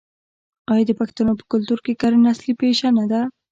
آیا د پښتنو په کلتور کې کرنه اصلي پیشه نه ده؟